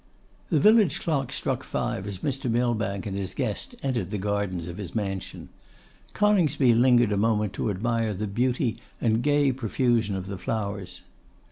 The village clock struck five as Mr. Millbank and his guest entered the gardens of his mansion. Coningsby lingered a moment to admire the beauty and gay profusion of the flowers.